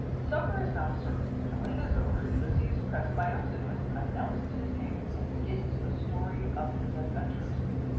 Supper is now served, and when it is over, Ulysses, pressed by Alcinous, announces his name and begins the story of his adventures.